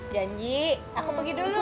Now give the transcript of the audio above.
janji aku pergi dulu